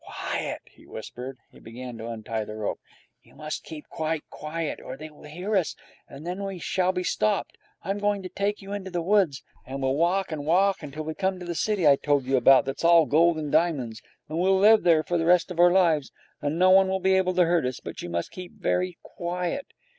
'Quiet!' he whispered. He began to untie the rope. 'You must keep quite quiet, or they will hear us, and then we shall be stopped. I'm going to take you into the woods, and we'll walk and walk until we come to the city I told you about that's all gold and diamonds, and we'll live there for the rest of our lives, and no one will be able to hurt us. But you must keep very quiet.'